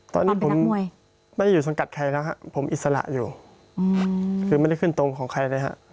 ตอนนี้ผมมวยไม่ได้อยู่สังกัดใครแล้วครับผมอิสระอยู่คือไม่ได้ขึ้นตรงของใครเลยฮะ